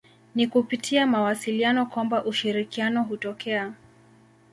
Ni kupitia mawasiliano kwamba ushirikiano hutokea.